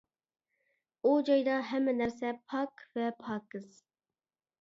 ئۇ جايدا ھەممە نەرسە پاك ۋە پاكىز.